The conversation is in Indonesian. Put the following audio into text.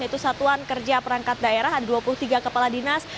yaitu satuan kerja perangkat daerah ada dua puluh tiga kepala dinas